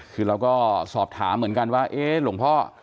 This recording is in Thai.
คือเราก็สอบถามเหมือนกันว่าเอ๊ะหลวงพ่อ